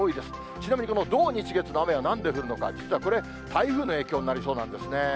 ちなみにこの土日月の雨はなんで降るのか、実はこれ、台風の影響になりそうなんですね。